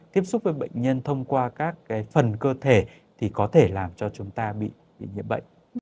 tiếp xúc với bệnh nhân thông qua các phần cơ thể thì có thể làm cho chúng ta bị nhiễm bệnh